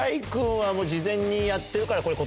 事前にやってるから。